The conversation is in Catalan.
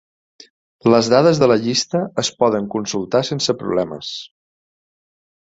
Les dades de la llista es poden consultar sense problemes.